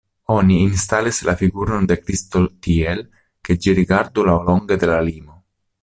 Oni instalis la figuron de Kristo tiel, ke ĝi rigardu laŭlonge de la limo.